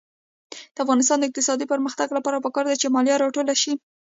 د افغانستان د اقتصادي پرمختګ لپاره پکار ده چې مالیه راټوله شي.